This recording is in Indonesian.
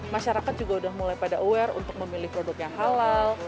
masyarakat juga udah mulai pada aware untuk memilih produk yang halal